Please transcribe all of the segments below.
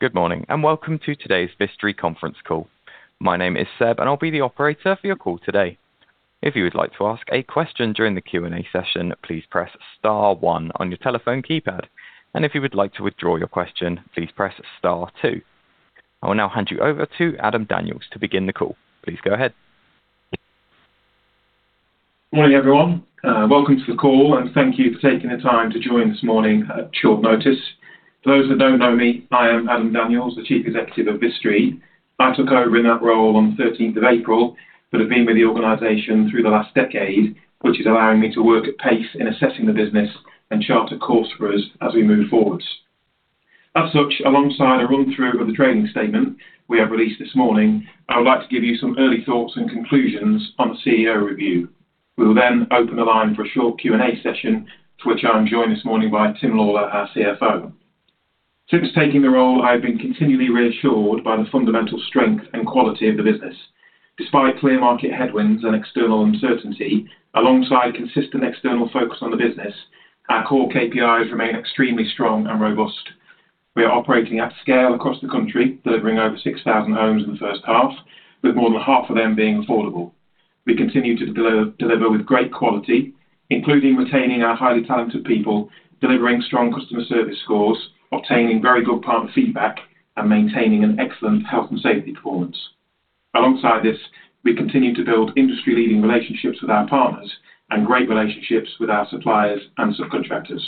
Good morning, welcome to today's Vistry conference call. My name is Seb, I'll be the operator for your call today. If you would like to ask a question during the Q&A session, please press star one on your telephone keypad. If you would like to withdraw your question, please press star two. I will now hand you over to Adam Daniels to begin the call. Please go ahead. Morning, everyone. Welcome to the call, thank you for taking the time to join this morning at short notice. For those that don't know me, I am Adam Daniels, the Chief Executive of Vistry. I took over in that role on the 13th of April, have been with the organization through the last decade, which is allowing me to work at pace in assessing the business and chart a course for us as we move forwards. As such, alongside a run-through of the trading statement we have released this morning, I would like to give you some early thoughts and conclusions on the CEO review. We will open the line for a short Q&A session, for which I am joined this morning by Tim Lawlor, our CFO. Since taking the role, I have been continually reassured by the fundamental strength and quality of the business. Despite clear market headwinds and external uncertainty, alongside consistent external focus on the business, our core KPIs remain extremely strong and robust. We are operating at scale across the country, delivering over 6,000 homes in the first half, with more than half of them being affordable. We continue to deliver with great quality, including retaining our highly talented people, delivering strong customer service scores, obtaining very good partner feedback, maintaining an excellent health and safety performance. Alongside this, we continue to build industry-leading relationships with our partners and great relationships with our suppliers and subcontractors.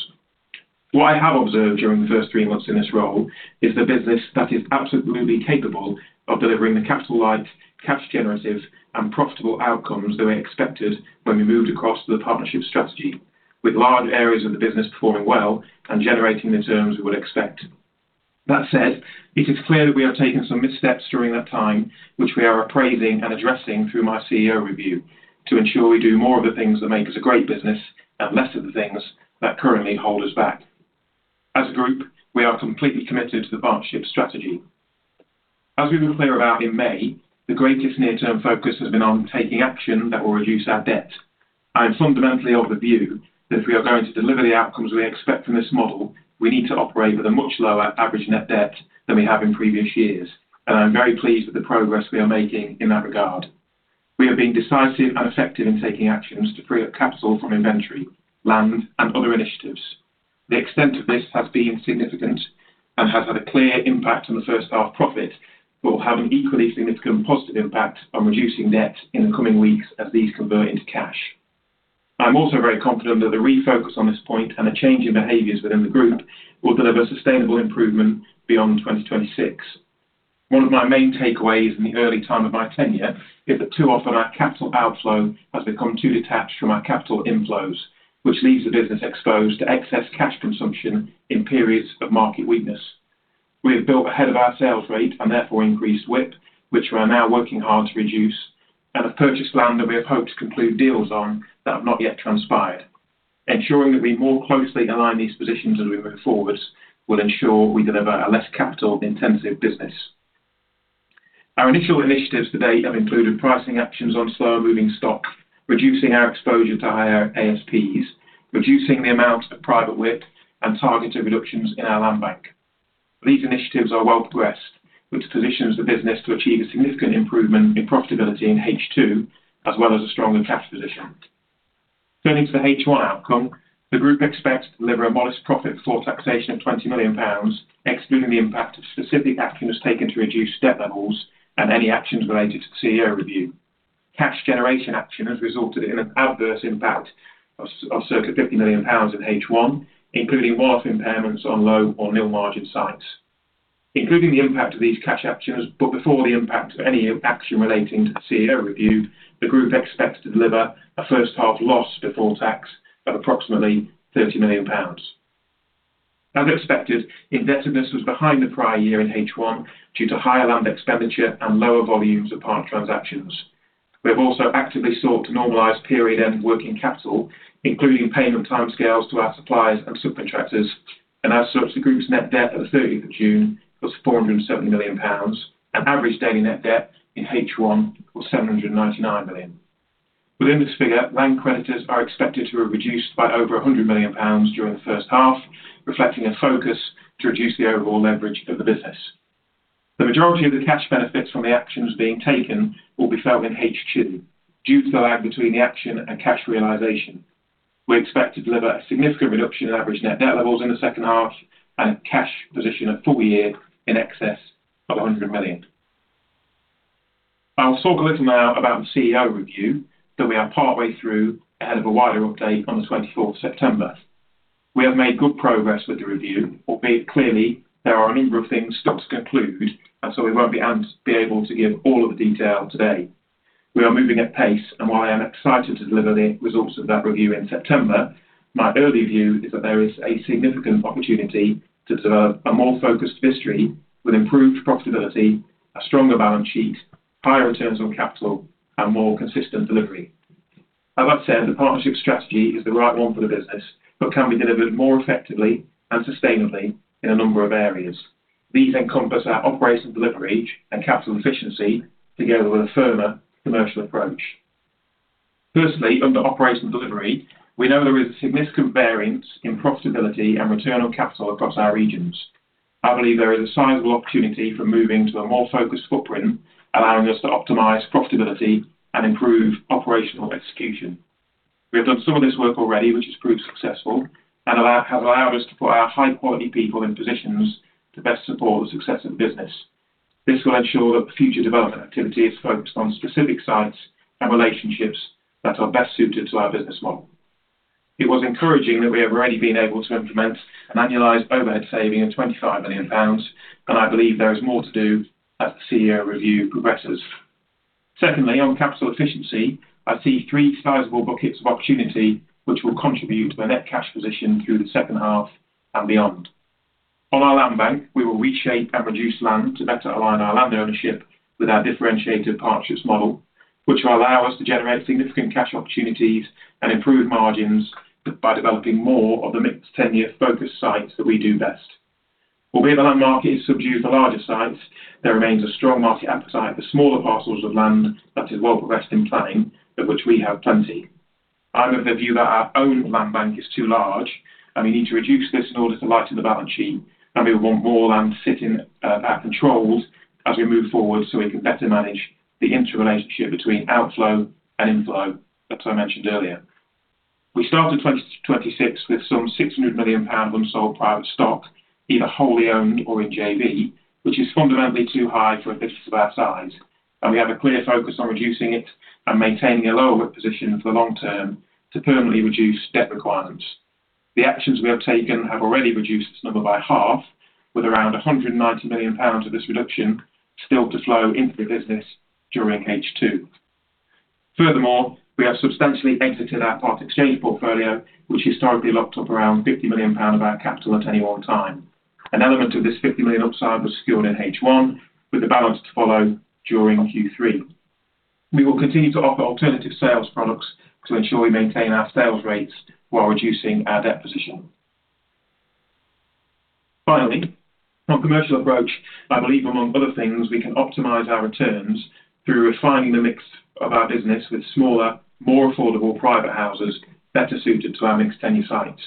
What I have observed during the first three months in this role is the business that is absolutely capable of delivering the capital light, cash generative, profitable outcomes that we expected when we moved across to the partnership strategy, with large areas of the business performing well and generating the returns we would expect. That said, it is clear that we have taken some missteps during that time, which we are appraising and addressing through my CEO review to ensure we do more of the things that make us a great business and less of the things that currently hold us back. As a group, we are completely committed to the partnership strategy. As we were clear about in May, the greatest near-term focus has been on taking action that will reduce our debt. I am fundamentally of the view that if we are going to deliver the outcomes we expect from this model, we need to operate with a much lower average net debt than we have in previous years. I'm very pleased with the progress we are making in that regard. We are being decisive and effective in taking actions to free up capital from inventory, land, and other initiatives. The extent of this has been significant and has had a clear impact on the first half profit but will have an equally significant positive impact on reducing debt in the coming weeks as these convert into cash. I'm also very confident that the refocus on this point and the change in behaviors within the group will deliver sustainable improvement beyond 2026. One of my main takeaways in the early time of my tenure is that too often our capital outflow has become too detached from our capital inflows, which leaves the business exposed to excess cash consumption in periods of market weakness. We have built ahead of our sales rate and therefore increased WIP, which we are now working hard to reduce, and have purchased land that we have hoped to conclude deals on that have not yet transpired. Ensuring that we more closely align these positions as we move forward will ensure we deliver a less capital-intensive business. Our initial initiatives to date have included pricing actions on slow-moving stock, reducing our exposure to higher ASPs, reducing the amount of private WIP, and targeted reductions in our land bank. These initiatives are well progressed, which positions the business to achieve a significant improvement in profitability in H2, as well as a stronger cash position. Turning to the H1 outcome, the group expects to deliver a modest profit before taxation of 20 million pounds, excluding the impact of specific actions taken to reduce debt levels and any actions related to the CEO review. Cash generation action has resulted in an adverse impact of circa 50 million pounds in H1, including write impairments on low or nil margin sites. Including the impact of these cash actions, but before the impact of any action relating to the CEO review, the group expects to deliver a first half loss before tax of approximately 30 million pounds. As expected, investedness was behind the prior year in H1 due to higher land expenditure and lower volumes of partner transactions. We have also actively sought to normalize period-end working capital, including payment timescales to our suppliers and subcontractors, and as such, the group's net debt at the 30th of June was 470 million pounds, and average daily net debt in H1 was 799 million. Within this figure, land creditors are expected to have reduced by over 100 million pounds during the first half, reflecting a focus to reduce the overall leverage of the business. The majority of the cash benefits from the actions being taken will be felt in H2 due to the lag between the action and cash realization. We expect to deliver a significant reduction in average net debt levels in the second half and a cash position at full year in excess of 100 million. I will talk a little now about the CEO review that we are partway through ahead of a wider update on the 24th of September. We have made good progress with the review, albeit clearly there are a number of things still to conclude, we won't be able to give all of the detail today. We are moving at pace, and while I am excited to deliver the results of that review in September, my early view is that there is a significant opportunity to develop a more focused Vistry with improved profitability, a stronger balance sheet, higher returns on capital, and more consistent delivery. As I've said, the partnership strategy is the right one for the business but can be delivered more effectively and sustainably in a number of areas. These encompass our operational delivery and capital efficiency together with a firmer commercial approach. Firstly, under operational delivery, we know there is significant variance in profitability and return on capital across our regions. I believe there is a sizable opportunity for moving to a more focused footprint, allowing us to optimize profitability and improve operational execution. We have done some of this work already, which has proved successful and have allowed us to put our high-quality people in positions to best support the success of the business. This will ensure that future development activity is focused on specific sites and relationships that are best suited to our business model. It was encouraging that we have already been able to implement an annualized overhead saving of 25 million pounds, I believe there is more to do as the CEO review progresses. Secondly, on capital efficiency, I see three sizable buckets of opportunity which will contribute to the net cash position through the second half and beyond. On our land bank, we will reshape and reduce land to better align our land ownership with our differentiated partnerships model, which will allow us to generate significant cash opportunities and improve margins by developing more of the mixed tenure focused sites that we do best. Albeit the land market is subdued for larger sites, there remains a strong market appetite for smaller parcels of land that is well progressed in planning, of which we have plenty. I am of the view that our own land bank is too large, we need to reduce this in order to lighten the balance sheet, we want more land sitting at controls as we move forward so we can better manage the interrelationship between outflow and inflow, as I mentioned earlier. We started 2026 with some 600 million pounds unsold private stock, either wholly owned or in JV, which is fundamentally too high for a business of our size. We have a clear focus on reducing it and maintaining a lower position for the long term to permanently reduce debt requirements. The actions we have taken have already reduced this number by half, with around 190 million pounds of this reduction still to flow into the business during H2. Furthermore, we have substantially exited our Part Exchange portfolio, which historically locked up around 50 million pound of our capital at any one time. An element of this 50 million upside was secured in H1, with the balance to follow during Q3. We will continue to offer alternative sales products to ensure we maintain our sales rates while reducing our debt position. Finally, on commercial approach, I believe, among other things, we can optimize our returns through refining the mix of our business with smaller, more affordable private houses better suited to our mixed tenure sites.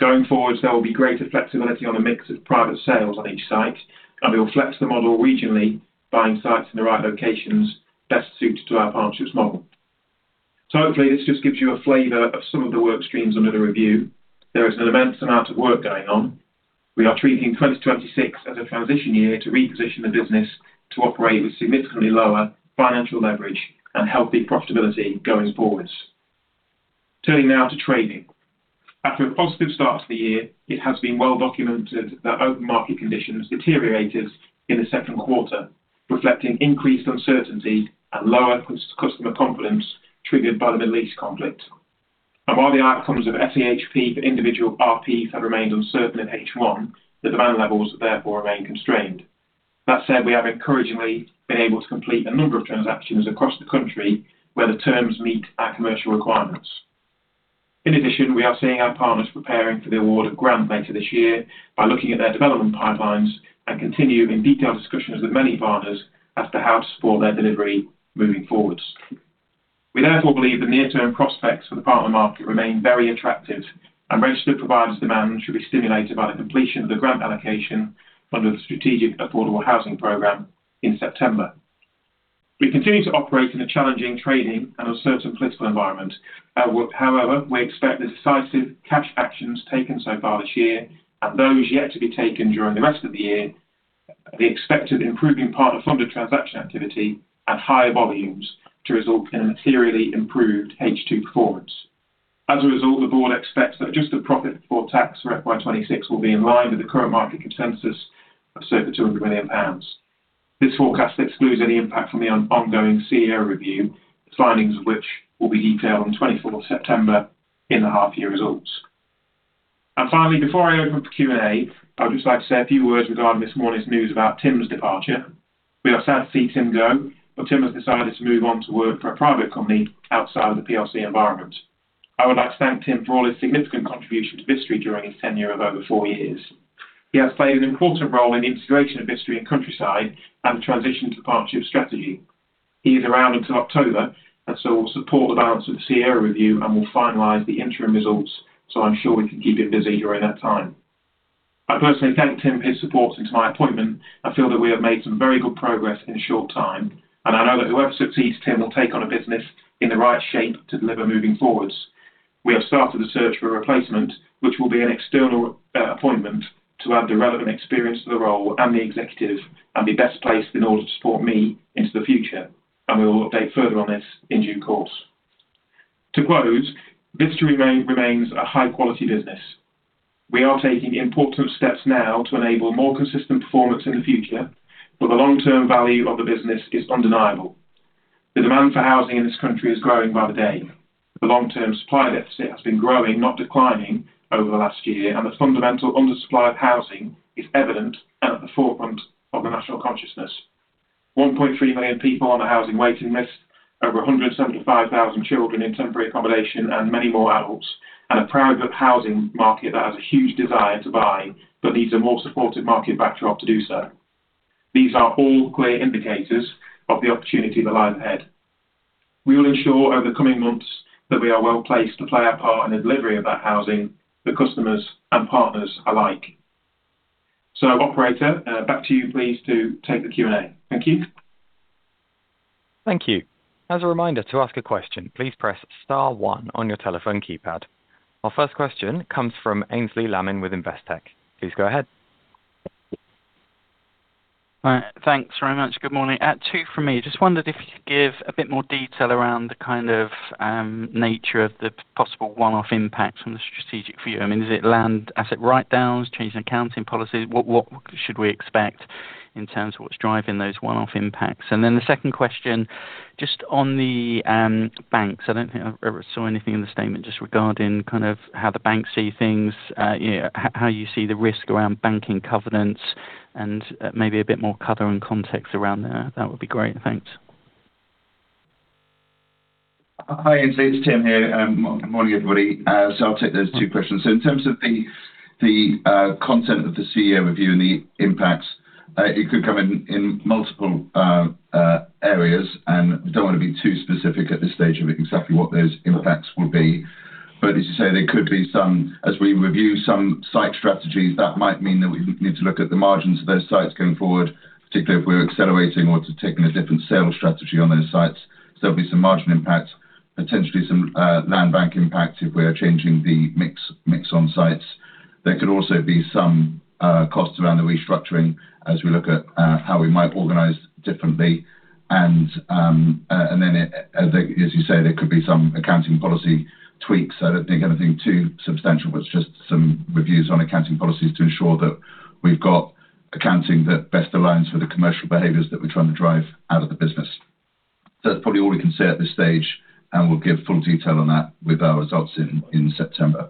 Going forwards, there will be greater flexibility on the mix of private sales on each site, and we will flex the model regionally, buying sites in the right locations best suited to our partnerships model. So hopefully, this just gives you a flavor of some of the work streams under the review. There is an immense amount of work going on. We are treating 2026 as a transition year to reposition the business to operate with significantly lower financial leverage and healthy profitability going forwards. Turning now to trading. After a positive start to the year, it has been well documented that open market conditions deteriorated in the second quarter, reflecting increased uncertainty and lower customer confidence triggered by the Middle East conflict. While the outcomes of SAHP for individual RPs have remained uncertain in H1, the demand levels therefore remain constrained. That said, we have encouragingly been able to complete a number of transactions across the country where the terms meet our commercial requirements. In addition, we are seeing our partners preparing for the award of grant later this year by looking at their development pipelines and continue in detailed discussions with many partners as to how to support their delivery moving forwards. We therefore believe the near-term prospects for the partner market remain very attractive, and Registered Providers demand should be stimulated by the completion of the grant allocation under the Social and Affordable Homes Programme in September. We continue to operate in a challenging trading and uncertain political environment. However, we expect the decisive cash actions taken so far this year and those yet to be taken during the rest of the year, the expected improving partner funded transaction activity at higher volumes to result in a materially improved H2 performance. As a result, the board expects that adjusted profit before tax for FY 2026 will be in line with the current market consensus of circa 200 million pounds. This forecast excludes any impact from the ongoing CEO review, the findings of which will be detailed on the 24th of September in the half year results. Finally, before I open up to Q&A, I would just like to say a few words regarding this morning's news about Tim's departure. We are sad to see Tim go, but Tim has decided to move on to work for a private company outside of the PLC environment. I would like to thank Tim for all his significant contribution to Vistry during his tenure of over four years. He has played an important role in the integration of Vistry and Countryside and the transition to the partnership strategy. He is around until October, will support the balance of the CEO review and will finalize the interim results. I am sure we can keep him busy during that time. I personally thank Tim his support since my appointment. I feel that we have made some very good progress in a short time, I know that whoever succeeds Tim will take on a business in the right shape to deliver moving forwards. We have started the search for a replacement, which will be an external appointment to add the relevant experience to the role, the executive and be best placed in order to support me into the future. We will update further on this in due course. To close, Vistry remains a high-quality business. We are taking important steps now to enable more consistent performance in the future. The long-term value of the business is undeniable. The demand for housing in this country is growing by the day. The long-term supply deficit has been growing, not declining over the last year. The fundamental undersupply of housing is evident and at the forefront of the national consciousness. 1.3 million people on the housing waiting list, over 175,000 children in temporary accommodation and many more adults, and a private housing market that has a huge desire to buy but needs a more supportive market backdrop to do so. These are all clear indicators of the opportunity that lies ahead. We will ensure over the coming months that we are well-placed to play our part in the delivery of that housing for customers and partners alike. Operator, back to you, please, to take the Q&A. Thank you. Thank you. As a reminder, to ask a question, please press star one on your telephone keypad. Our first question comes from Aynsley Lammin with Investec. Please go ahead. All right. Thanks very much. Good morning. Two from me. Just wondered if you could give a bit more detail around the kind of nature of the possible one-off impact from the strategic review. Is it land asset write-downs, change in accounting policy? What should we expect in terms of what's driving those one-off impacts? The second question, just on the banks. I don't think I ever saw anything in the statement just regarding how the banks see things, how you see the risk around banking covenants and maybe a bit more color and context around there. That would be great. Thanks. Hi, Aynsley. It's Tim here. Morning, everybody. I'll take those two questions. In terms of the content of the CEO review and the impacts, it could come in multiple areas, and we don't want to be too specific at this stage of exactly what those impacts will be. As you say, there could be some, as we review some site strategies, that might mean that we need to look at the margins of those sites going forward, particularly if we're accelerating or taking a different sales strategy on those sites. There'll be some margin impact, potentially some land bank impact if we are changing the mix on sites. There could also be some costs around the restructuring as we look at how we might organize differently. As you say, there could be some accounting policy tweaks. I don't think anything too substantial, but it's just some reviews on accounting policies to ensure that we've got accounting that best aligns with the commercial behaviors that we're trying to drive out of the business. That's probably all we can say at this stage, and we'll give full detail on that with our results in September.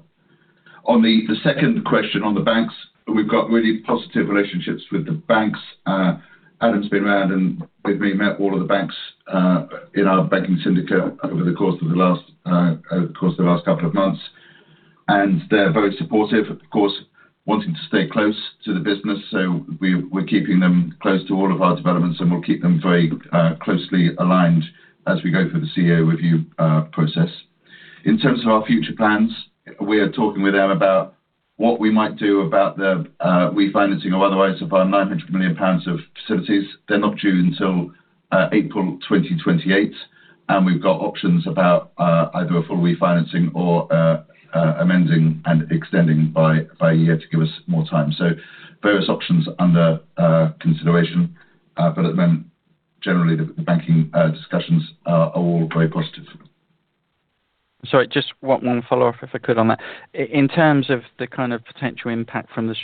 On the second question on the banks, we've got really positive relationships with the banks. Adam Daniels has been around and with me, met all of the banks in our banking syndicate over the course of the last couple of months, and they're very supportive. Of course, wanting to stay close to the business, so we're keeping them close to all of our developments, and we'll keep them very closely aligned as we go through the CEO review process. In terms of our future plans, we are talking with them about what we might do about the refinancing or otherwise of our 900 million pounds of facilities. They're not due until April 2028, and we've got options about either a full refinancing or amending and extending by a year to give us more time. Various options under consideration. Other than generally, the banking discussions are all very positive. Sorry, just one follow-up if I could on that. In terms of the potential impact from the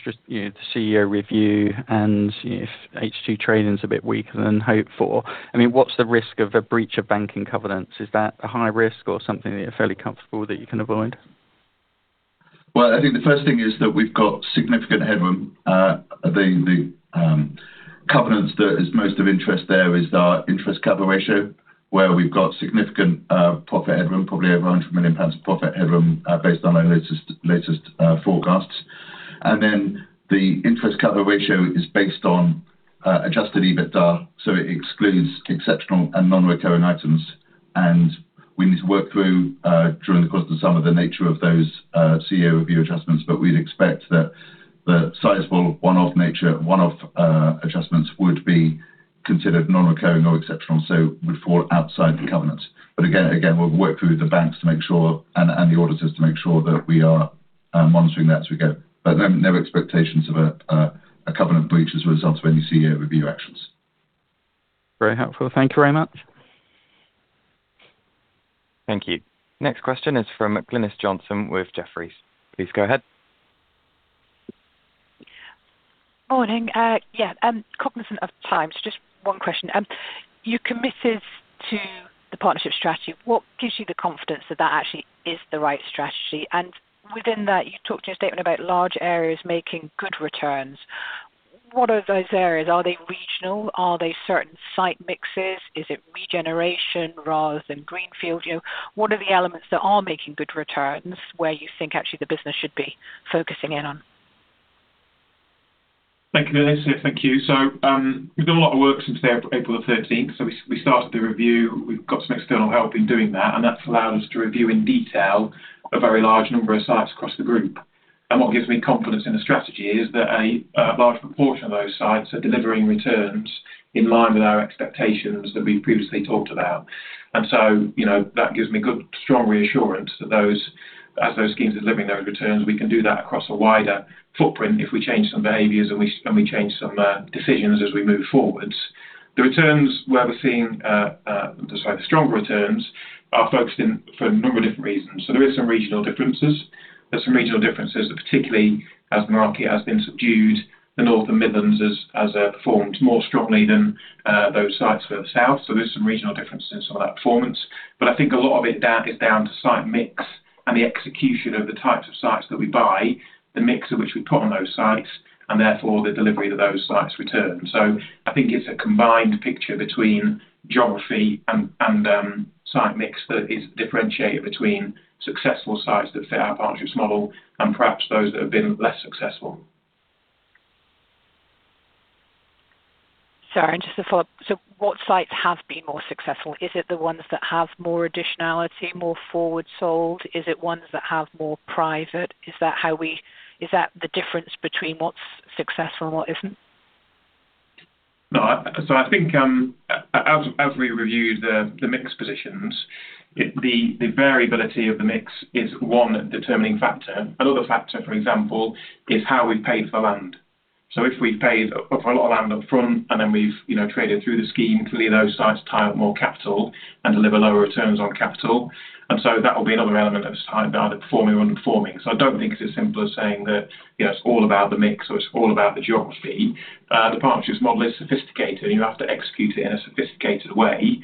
CEO review and if H2 trading is a bit weaker than hoped for, what's the risk of a breach of banking covenants? Is that a high risk or something that you're fairly comfortable that you can avoid? Well, I think the first thing is that we've got significant headroom. The covenants that is most of interest there is our interest cover ratio, where we've got significant profit headroom, probably over 100 million pounds profit headroom based on our latest forecasts. Then the interest cover ratio is based on adjusted EBITDA, so it excludes exceptional and non-recurring items. We need to work through, during the course of the summer, the nature of those CEO review adjustments. We'd expect that sizable one-off nature, one-off adjustments would be considered non-recurring or exceptional, so would fall outside the covenants. Again, we'll work through the banks to make sure, and the auditors to make sure that we are monitoring that as we go. No expectations of a covenant breach as a result of any CEO review actions. Very helpful. Thank you very much. Thank you. Next question is from Glynis Johnson with Jefferies. Please go ahead. Morning. Yeah. Cognizant of time, just one question. You're committed to the partnership strategy. What gives you the confidence that that actually is the right strategy? Within that, you talked in your statement about large areas making good returns. What are those areas? Are they regional? Are they certain site mixes? Is it regen rather than greenfield? What are the elements that are making good returns where you think actually the business should be focusing in on? Thank you. We've done a lot of work since April the 13th. We started the review. We've got some external help in doing that, and that's allowed us to review in detail a very large number of sites across the group. What gives me confidence in the strategy is that a large proportion of those sites are delivering returns in line with our expectations that we previously talked about. That gives me good, strong reassurance that as those schemes are delivering those returns, we can do that across a wider footprint if we change some behaviors and we change some decisions as we move forwards. The returns where we're seeing the stronger returns are focused in for a number of different reasons. There is some regional differences. There's some regional differences that particularly as the market has been subdued, the North and Midlands has performed more strongly than those sites further south. There's some regional differences in some of that performance. I think a lot of it is down to site mix and the execution of the types of sites that we buy, the mix of which we put on those sites, and therefore the delivery that those sites return. I think it's a combined picture between geography and site mix that is differentiated between successful sites that fit our partnership model and perhaps those that have been less successful. Sorry, just to follow up, what sites have been more successful? Is it the ones that have more additionality, more forward sold? Is it ones that have more private? Is that the difference between what's successful and what isn't? No. I think as we reviewed the mix positions, the variability of the mix is one determining factor. Another factor, for example, is how we've paid for land. If we've paid for a lot of land up front and then we've traded through the scheme, clearly those sites tie up more capital and deliver lower returns on capital. That will be another element that will decide about it performing or underperforming. I don't think it's as simple as saying that it's all about the mix or it's all about the geography. The partnerships model is sophisticated, and you have to execute it in a sophisticated way.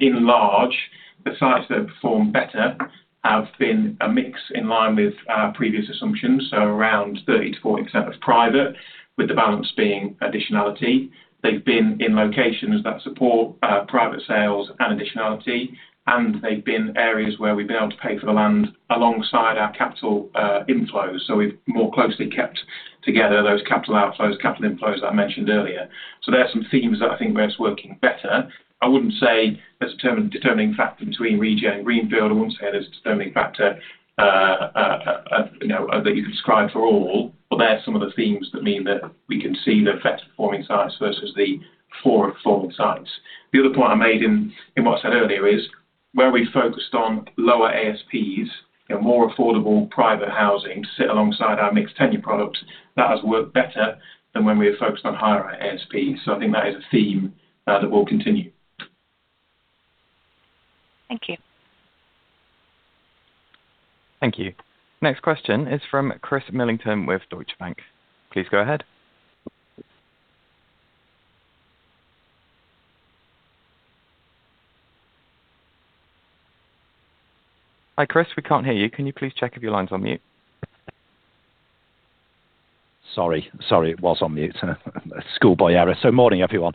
In large, the sites that have performed better have been a mix in line with our previous assumptions, so around 30%-40% of private, with the balance being additionality. They've been in locations that support private sales and additionality, and they've been areas where we've been able to pay for the land alongside our capital inflows. We've more closely kept together those capital outflows, capital inflows that I mentioned earlier. There are some themes that I think where it's working better. I wouldn't say there's a determining factor between regen and greenfield. I wouldn't say there's a determining factor that you could ascribe for all. They are some of the themes that mean that we can see the better performing sites versus the poor performing sites. The other point I made in what I said earlier is where we focused on lower ASPs, more affordable private housing to sit alongside our mixed tenure products, that has worked better than when we were focused on higher ASP. I think that is a theme that will continue. Thank you. Thank you. Next question is from Chris Millington with Deutsche Bank. Please go ahead. Hi, Chris, we can't hear you. Can you please check if your line's on mute? Sorry. It was on mute. A schoolboy error. Morning, everyone.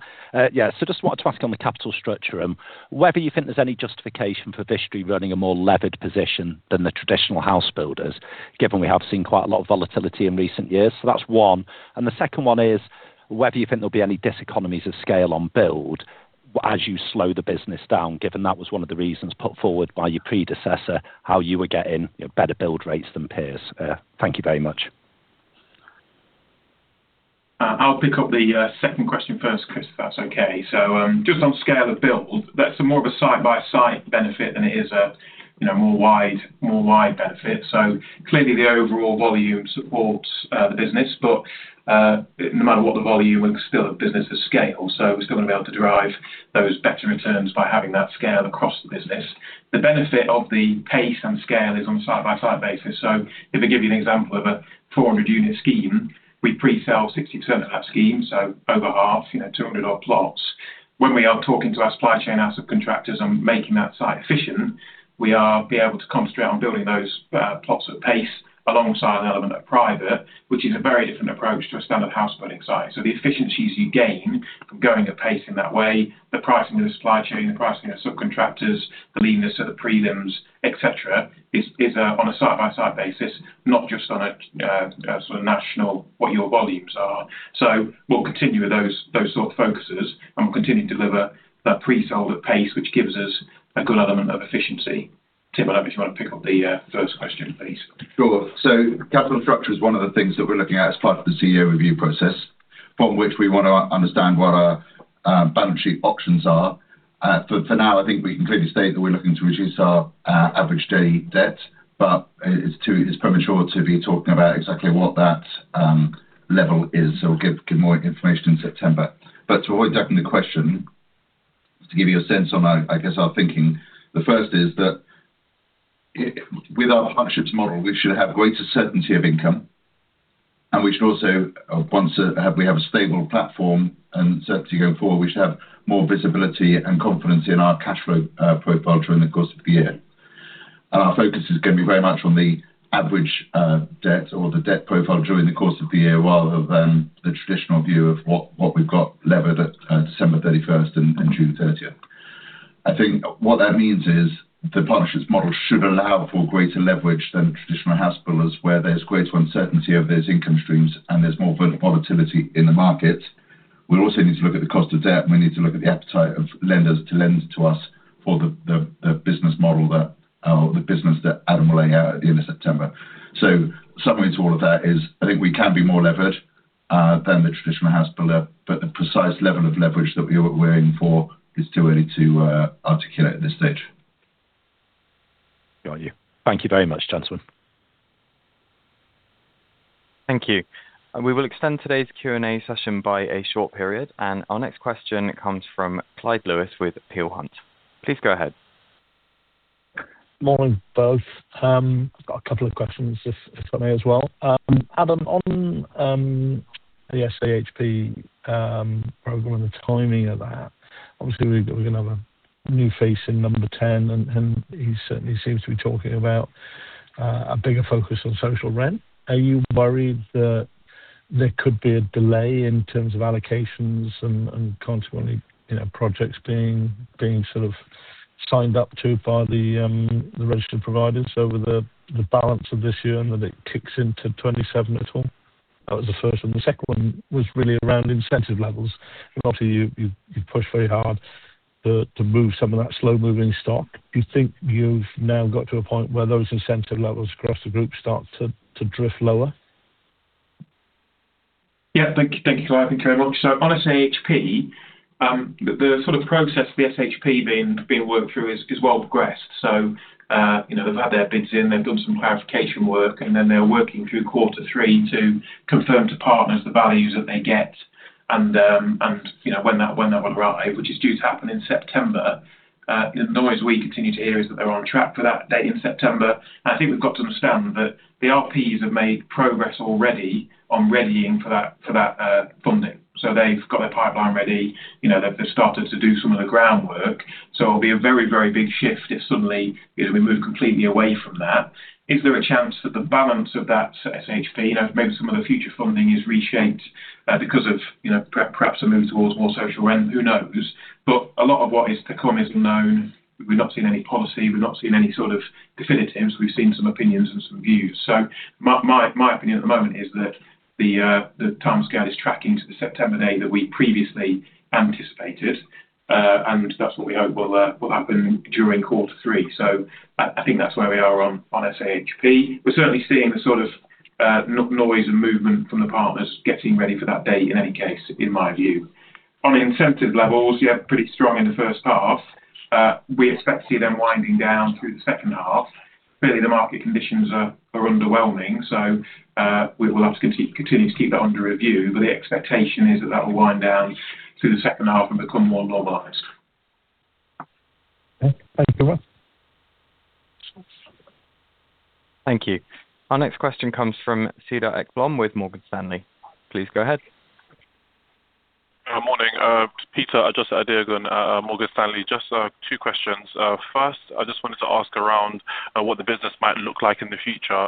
Just wanted to ask on the capital structure, whether you think there's any justification for Vistry running a more levered position than the traditional house builders, given we have seen quite a lot of volatility in recent years. That's one. The second one is whether you think there'll be any diseconomies of scale on build as you slow the business down, given that was one of the reasons put forward by your predecessor, how you were getting better build rates than peers. Thank you very much. I'll pick up the second question first, Chris, if that's okay. Just on scale of build, that's more of a site by site benefit than it is a more wide benefit. Clearly the overall volume supports the business, but no matter what the volume, it's still a business of scale. We're still going to be able to derive those better returns by having that scale across the business. The benefit of the pace and scale is on a site by site basis. If I give you an example of a 400-unit scheme, we pre-sell 60% of that scheme, so over half, 200 odd plots. When we are talking to our supply chain, our subcontractors on making that site efficient, we are able to concentrate on building those plots at pace alongside an element of private, which is a very different approach to a standard house building site. The efficiencies you gain from going at pace in that way, the pricing of the supply chain, the pricing of subcontractors, the leanness of the prelims, et cetera, is on a site-by-site basis, not just on a national what your volumes are. We'll continue with those sorts of focuses and we'll continue to deliver that pre-sold at pace, which gives us a good element of efficiency. Tim, I don't know if you want to pick up the first question, please. Sure. Capital structure is one of the things that we're looking at as part of the CEO review process from which we want to understand what our balance sheet options are. For now, I think we can clearly state that we're looking to reduce our average daily debt, it's premature to be talking about exactly what that level is, we'll give more information in September. To avoid ducking the question, to give you a sense on our thinking, the first is that with our partnerships model, we should have greater certainty of income. We should also, once we have a stable platform and certainty going forward, we should have more visibility and confidence in our cash flow profile during the course of the year. Our focus is going to be very much on the average debt or the debt profile during the course of the year rather than the traditional view of what we've got levered at December 31st and June 30th. I think what that means is the partnerships model should allow for greater leverage than traditional house builders where there's greater uncertainty over those income streams and there's more volatility in the market. We also need to look at the cost of debt, and we need to look at the appetite of lenders to lend to us for the business model that, or the business that Adam will lay out at the end of September. Summary to all of that is I think we can be more levered than the traditional house builder, but the precise level of leverage that we're aiming for is too early to articulate at this stage. Got you. Thank you very much, gentlemen. Thank you. We will extend today's Q&A session by a short period and our next question comes from Clyde Lewis with Peel Hunt. Please go ahead. Morning, both. I've got a couple of questions if I may as well. Adam, on the SAHP program and the timing of that, obviously we're going to have a new face in number 10, and he certainly seems to be talking about a bigger focus on social rent. Are you worried that there could be a delay in terms of allocations and consequently projects being sort of Signed up to by the registered providers over the balance of this year, and then it kicks into 2027 at all. That was the first one. The second one was really around incentive levels. After you've pushed very hard to move some of that slow-moving stock. Do you think you've now got to a point where those incentive levels across the group start to drift lower? Yeah. Thank you, Clyde. Thank you very much. On SAHP, the process of the SAHP being worked through is well progressed. They've had their bids in, they've done some clarification work, and then they're working through quarter three to confirm to partners the values that they get and when that will arrive, which is due to happen in September. The noise we continue to hear is that they're on track for that date in September. I think we've got to understand that the RPs have made progress already on readying for that funding. They've got their pipeline ready; they've started to do some of the groundwork. It'll be a very, very big shift if suddenly we move completely away from that. Is there a chance that the balance of that SAHP, maybe some of the future funding is reshaped, because of perhaps a move towards more social rent? Who knows. A lot of what is to come isn't known. We've not seen any policy. We've not seen any sort of definitive. We've seen some opinions and some views. My opinion at the moment is that the timescale is tracking to the September date that we previously anticipated. That's what we hope will happen during quarter three. I think that's where we are on SAHP. We're certainly seeing the sort of noise and movement from the partners getting ready for that date in any case, in my view. On incentive levels, yeah, pretty strong in the first half. We expect to see them winding down through the second half. Clearly, the market conditions are underwhelming, so we will have to continue to keep that under review, but the expectation is that that will wind down through the second half and become more normalized. Okay. Thank you. Thank you. Our next question comes from Cedar Ekblom with Morgan Stanley. Please go ahead. Morning. Peter Ajose-Adeogun, Morgan Stanley. Just two questions. First, I just wanted to ask around what the business might look like in the future.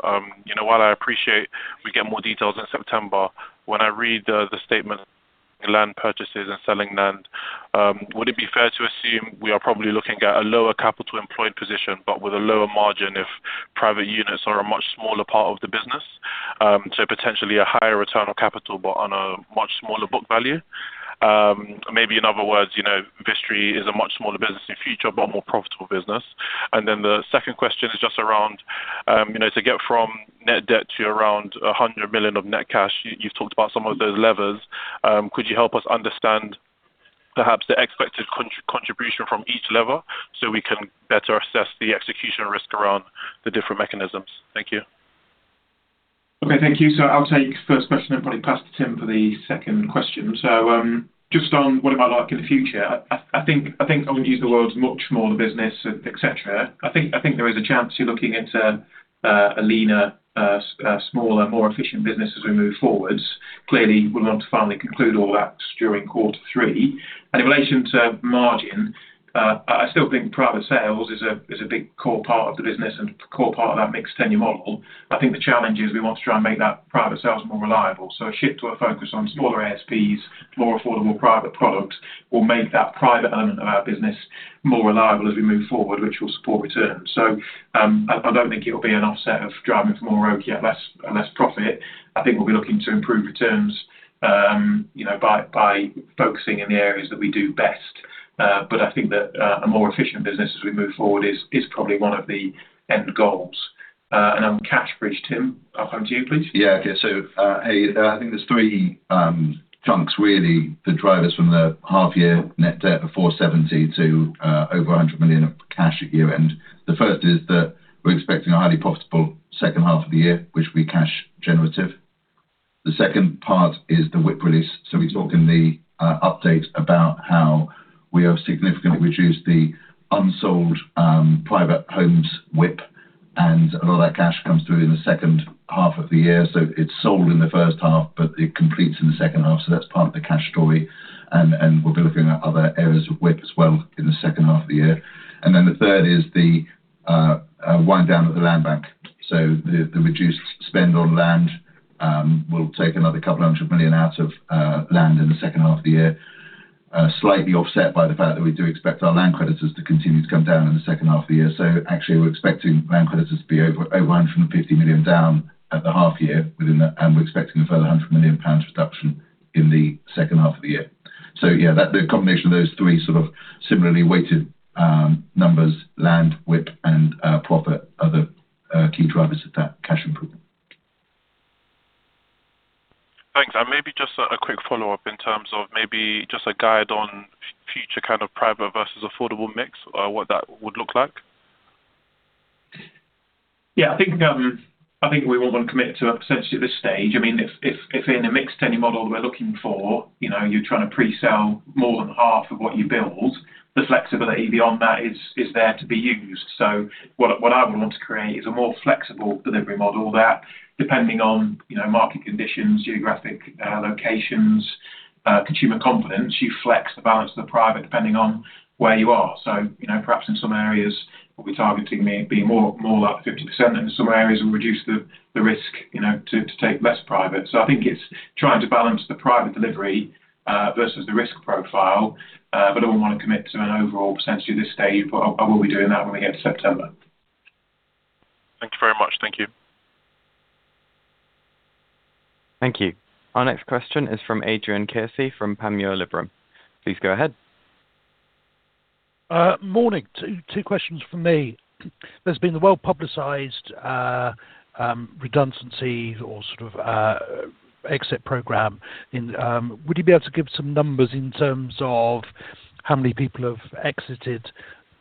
While I appreciate we get more details in September, when I read the statement on land purchases and selling land, would it be fair to assume we are probably looking at a lower capital employed position, but with a lower margin if private units are a much smaller part of the business? Potentially a higher return on capital, but on a much smaller book value. Maybe in other words, Vistry is a much smaller business in future, but a more profitable business. The second question is just around to get from net debt to around 100 million of net cash, you've talked about some of those levers. Could you help us understand perhaps the expected contribution from each lever so we can better assess the execution risk around the different mechanisms? Thank you. Okay. Thank you. I'll take the first question and probably pass to Tim for the second question. Just on what it might look like in the future, I think I wouldn't use the words much smaller business, et cetera. I think there is a chance you're looking into a leaner, smaller, more efficient business as we move forwards. Clearly, we'll want to finally conclude all that during Q3. In relation to margin, I still think private sales is a big core part of the business and core part of that mixed tenure model. I think the challenge is we want to try and make that private sales more reliable. A shift to a focus on smaller ASPs, more affordable private product will make that private element of our business more reliable as we move forward, which will support returns. I don't think it will be an offset of driving for more ROE, yet less profit. I think we'll be looking to improve returns by focusing in the areas that we do best. I think that a more efficient business as we move forward is probably one of the end goals. On the cash bridge, Tim, I'll come to you, please. Yeah. Okay. I think there's three chunks really that drive us from the H1 net debt of 470 million to over 100 million of cash at year-end. The first is that we're expecting a highly profitable H2 of the year, which will be cash generative. The second part is the WIP release. We talk in the update about how we have significantly reduced the unsold private homes WIP, and a lot of that cash comes through in the H2 of the year. It's sold in the H1, but it completes in the H2, so that's part of the cash story. We'll be looking at other areas of WIP as well in the H2 of the year. The third is the wind down at the land bank. The reduced spend on land will take another 200 million out of land in the H2 of the year. Slightly offset by the fact that we do expect our land creditors to continue to come down in the H2 of the year. We're expecting land creditors to be over 150 million down at the H1 within that, and we're expecting a further 100 million pounds reduction in the H2 of the year. The combination of those three sort of similarly weighted numbers, land, WIP and profit are the key drivers of that cash improvement. Thanks. maybe just a quick follow-up in terms of maybe just a guide on future kind of private versus affordable mix or what that would look like. Yeah, I think we wouldn't want to commit to a percentage at this stage. If in a mixed tenure model we're looking for, you're trying to pre-sell more than half of what you build. The flexibility beyond that is there to be used. what I would want to create is a more flexible delivery model that depending on market conditions, geographic locations, consumer confidence, you flex the balance of the private depending on where you are. perhaps in some areas, what we're targeting may be more like 50%, and in some areas, we'll reduce the risk to take less private. I think it's trying to balance the private delivery versus the risk profile. I wouldn't want to commit to an overall percentage at this stage, but I will be doing that when we get to September. Thank you. Our next question is from Adrian Kearsey from Panmure Liberum. Please go ahead. Morning. Two questions from me. There's been the well-publicized redundancy or exit program. Would you be able to give some numbers in terms of how many people have exited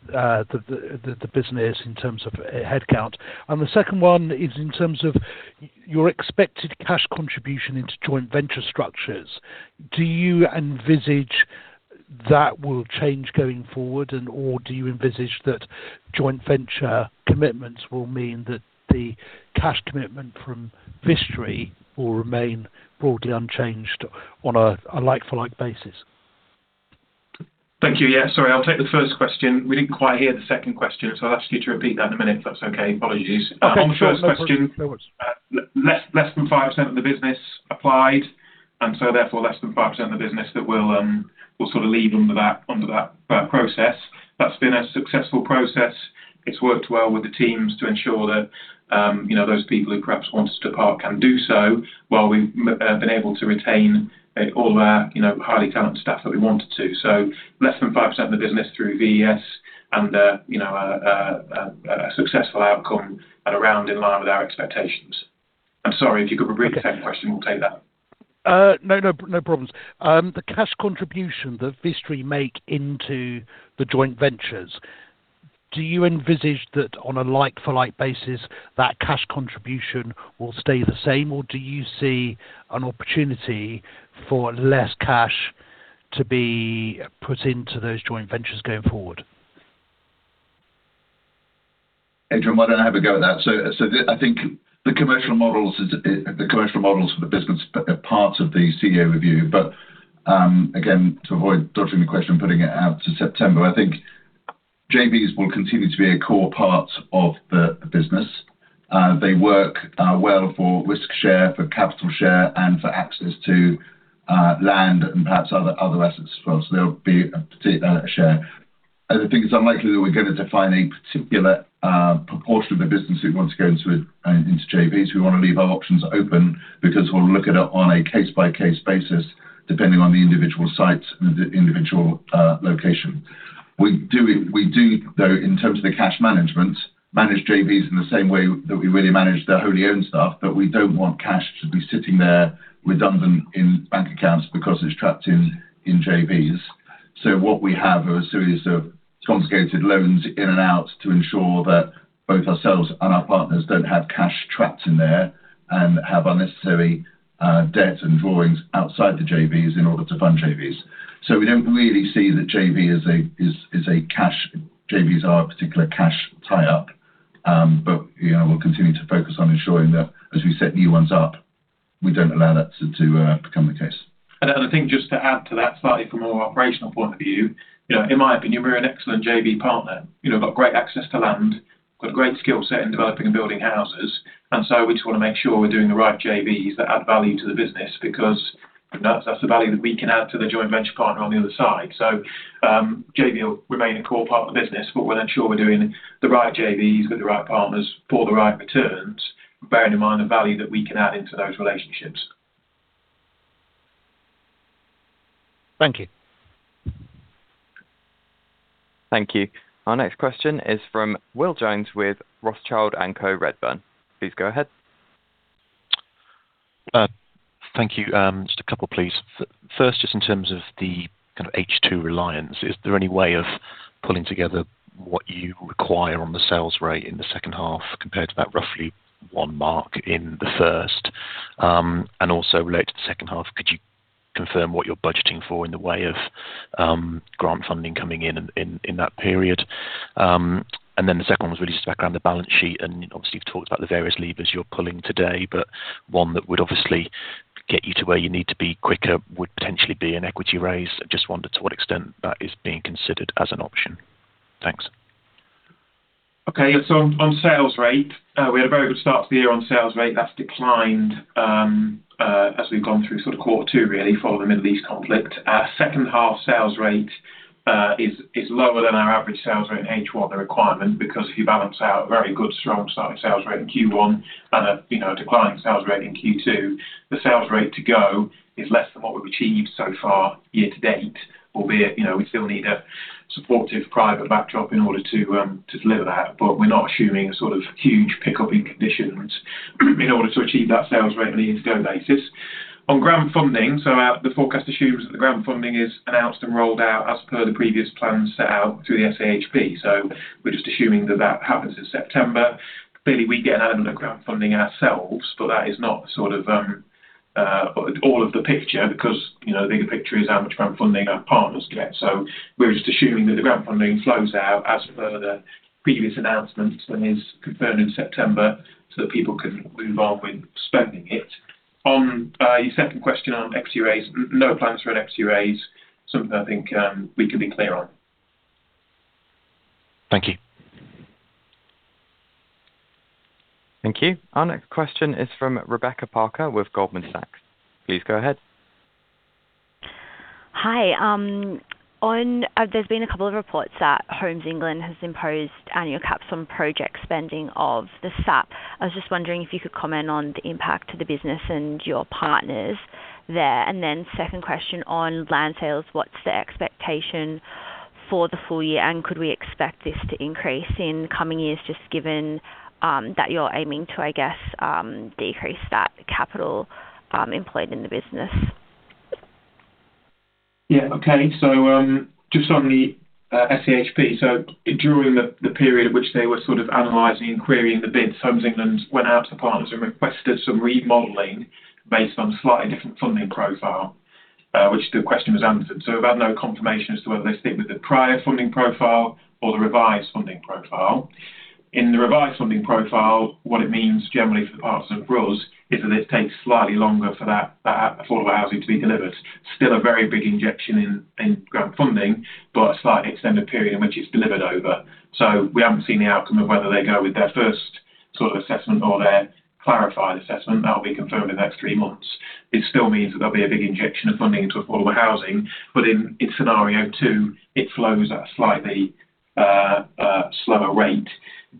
the business in terms of headcount? The second one is in terms of your expected cash contribution into joint venture structures. Do you envisage that will change going forward? Do you envisage that joint venture commitments will mean that the cash commitment from Vistry will remain broadly unchanged on a like-for-like basis? Thank you. Sorry, I'll take the first question. We didn't quite hear the second question, so I'll ask you to repeat that in a minute, if that's okay. Apologies. Okay, sure. No worries. On the first question, less than 5% of the business applied. Therefore, less than 5% of the business that will leave under that process. That's been a successful process. It's worked well with the teams to ensure that those people who perhaps want to step out can do so, while we've been able to retain all of our highly talented staff that we wanted to. Less than 5% of the business through VES and a successful outcome at around in line with our expectations. I'm sorry, if you could repeat the second question, we'll take that. No problems. The cash contribution that Vistry make into the joint ventures, do you envisage that on a like-for-like basis, that cash contribution will stay the same? Do you see an opportunity for less cash to be put into those joint ventures going forward? Adrian, why don't I have a go at that? I think the commercial models for the business are part of the CEO review. Again, to avoid dodging the question, putting it out to September, I think JVs will continue to be a core part of the business. They work well for risk share, for capital share, and for access to land and perhaps other assets as well. They'll be a share. I think it's unlikely that we're going to define a particular proportion of the business that wants to go into JVs. We want to leave our options open because we'll look at it on a case-by-case basis, depending on the individual sites and the individual location. We do, though, in terms of the cash management, manage JVs in the same way that we really manage the wholly owned stuff. We don't want cash to be sitting there redundant in bank accounts because it's trapped in JVs. What we have are a series of intercompany loans in and out to ensure that both ourselves and our partners don't have cash trapped in there and have unnecessary debt and drawings outside the JVs in order to fund JVs. We don't really see that JVs are a particular cash tie-up. We'll continue to focus on ensuring that as we set new ones up, we don't allow that to become the case. I think just to add to that slightly from a more operational point of view, in my opinion, we're an excellent JV partner. Got great access to land, got a great skill set in developing and building houses. We just want to make sure we're doing the right JVs that add value to the business because that's the value that we can add to the joint venture partner on the other side. JV will remain a core part of the business. We'll ensure we're doing the right JVs with the right partners for the right returns, bearing in mind the value that we can add into those relationships. Thank you. Thank you. Our next question is from Will Jones with Rothschild & Co Redburn. Please go ahead. Thank you. Just a couple, please. First, just in terms of the H2 reliance, is there any way of pulling together what you require on the sales rate in the second half compared to that roughly one mark in the first? Also related to the second half, could you confirm what you're budgeting for in the way of grant funding coming in that period? The second one was really just back on the balance sheet, and obviously you've talked about the various levers you're pulling today, but one that would obviously get you to where you need to be quicker would potentially be an equity raise. I just wondered to what extent that is being considered as an option. Thanks. On sales rate, we had a very good start to the year on sales rate. That's declined as we've gone through quarter two, really, following the Middle East conflict. Our second half sales rate is lower than our average sales rate in H1, the requirement, because if you balance out very good, strong starting sales rate in Q1 and a declining sales rate in Q2, the sales rate to go is less than what we've achieved so far year to date. Albeit, we still need a supportive private backdrop in order to deliver that. We're not assuming a huge pickup in conditions in order to achieve that sales rate on a year to go basis. On grant funding, the forecast assumes that the grant funding is announced and rolled out as per the previous plans set out through the SAHP. We're just assuming that that happens in September. Clearly, we get an element of grant funding ourselves, but that is not all of the picture because the bigger picture is how much grant funding our partners get. We're just assuming that the grant funding flows out as per the previous announcements and is confirmed in September so that people can move on with spending it. On your second question on equity raise, no plans for an equity raise. Something I think we can be clear on. Thank you. Thank you. Our next question is from Rebecca Parker with Goldman Sachs. Please go ahead. Hi. There's been a couple of reports that Homes England has imposed annual caps on project spending of the SAHP. I was just wondering if you could comment on the impact to the business and your partners there. Second question on land sales, what's the expectation for the full year, and could we expect this to increase in coming years, just given that you're aiming to, I guess, decrease that capital employed in the business? Yeah. Okay. Just on the SAHP. During the period which they were sort of analyzing and querying the bids, Homes England went out to partners and requested some remodeling based on a slightly different funding profile, which the question was answered. We've had no confirmation as to whether they stick with the prior funding profile or the revised funding profile. In the revised funding profile, what it means generally for the partners of ours is that it takes slightly longer for that affordable housing to be delivered. Still a very big injection in grant funding, but a slightly extended period in which it's delivered over. We haven't seen the outcome of whether they go with their first sort of assessment or their clarified assessment. That will be confirmed in the next three months. It still means that there'll be a big injection of funding into affordable housing. In scenario two, it flows at a slightly slower rate.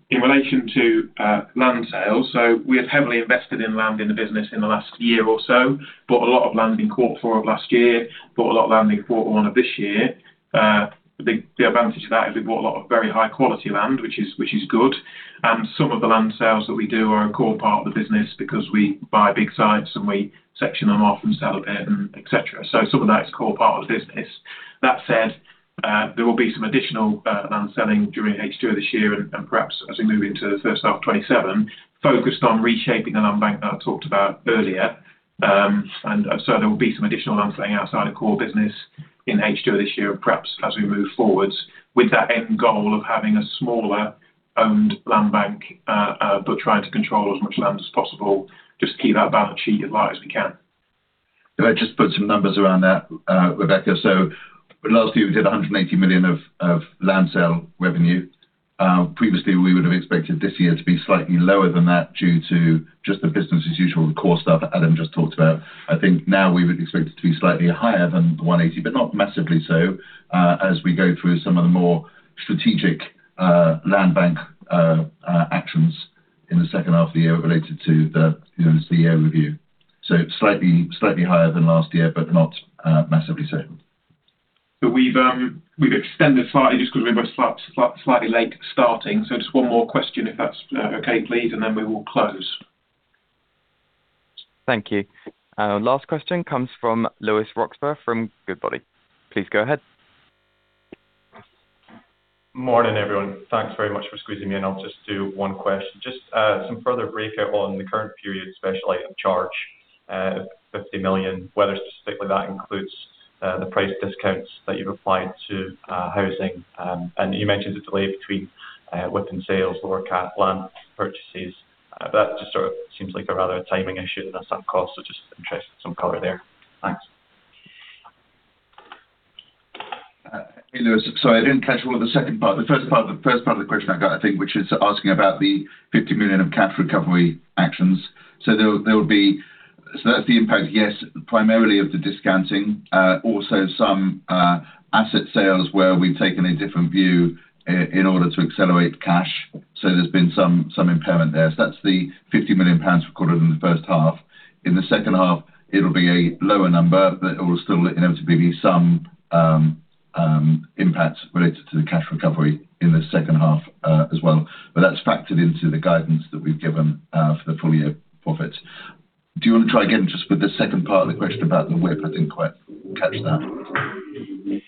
In relation to land sales, we have heavily invested in land in the business in the last year or so. Bought a lot of land in Q4 of last year, bought a lot of land in Q1 of this year. The advantage of that is we bought a lot of very high-quality land, which is good. Some of the land sales that we do are a core part of the business because we buy big sites, and we section them off and sell a bit, et cetera. Some of that is a core part of the business. That said, there will be some additional land selling during H2 of this year and perhaps as we move into the first half of 2027, focused on reshaping the land bank that I talked about earlier. There will be some additional land selling outside of core business in H2 of this year and perhaps as we move forwards with that end goal of having a smaller owned land bank, but trying to control as much land as possible, just to keep that balance sheet as light as we can. Can I just put some numbers around that, Rebecca? Last year, we did 180 million of land sale revenue. Previously, we would have expected this year to be slightly lower than that due to just the business as usual, the core stuff that Adam just talked about. I think now we would expect it to be slightly higher than 180, but not massively so, as we go through some of the more strategic land bank actions in the second half of the year related to the CEO review. Slightly higher than last year, but not massively so. We've extended slightly just because we're slightly late starting. Just one more question, if that's okay, please, and then we will close. Thank you. Last question comes from Lewis Roxburgh from Goodbody. Please go ahead. Morning, everyone. Thanks very much for squeezing me in. I'll just do one question. Just some further breakout on the current period, special item charge, 50 million, whether specifically that includes the price discounts that you've applied to housing. You mentioned the delay between WIP and sales, lower cap land purchases. That just sort of seems like a rather timing issue than a sunk cost. Just interested in some color there. Thanks. Hey, Lewis. Sorry, I didn't catch all of the second part. The first part of the question I got, I think, which is asking about the 50 million of cash recovery actions. That's the impact, yes, primarily of the discounting. Also, some asset sales where we've taken a different view in order to accelerate cash. There's been some impairment there. That's the 50 million pounds recorded in the first half. In the second half, it'll be a lower number, but it will still inevitably be some impact related to the cash recovery in the second half as well. That's factored into the guidance that we've given for the full year profits. Do you want to try again, just with the second part of the question about the WIP? I didn't quite catch that.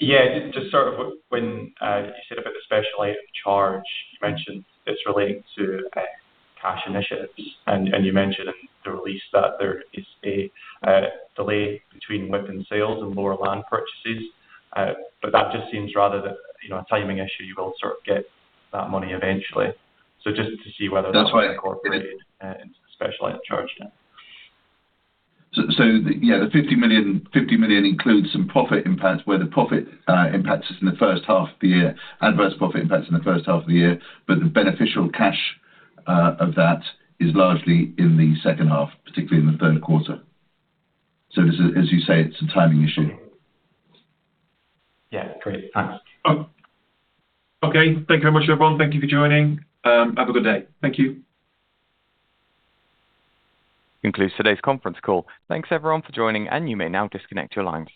Yeah. Just sort of when you said about the special item charge, you mentioned it's relating to cash initiatives, you mentioned in the release that there is a delay between WIP and sales lower land purchases. That just seems rather than a timing issue, you will sort of get that money eventually. Just to see whether that's- That's right. incorporated into the special item charge then. Yeah, the 50 million includes some profit impacts where the profit impact is in the first half of the year, adverse profit impacts in the first half of the year, but the beneficial cash of that is largely in the second half, particularly in the third quarter. As you say, it's a timing issue. Yeah. Great. Thanks. Okay. Thank you very much, everyone. Thank you for joining. Have a good day. Thank you. This concludes today's conference call. Thanks, everyone, for joining, and you may now disconnect your lines.